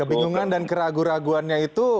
kebingungan dan keraguan keraguannya itu